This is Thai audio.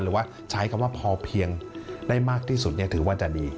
หรือว่าใช้คำว่าพอเพียงได้มากที่สุดถือว่าจะดี